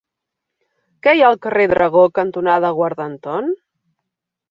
Què hi ha al carrer Dragó cantonada Guarda Anton?